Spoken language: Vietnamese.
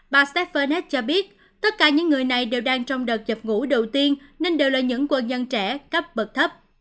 bà stefanet cho biết tất cả những người này đều đang trong đợt dập ngũ đầu tiên nên đều là những quân nhân trẻ cấp bật thấp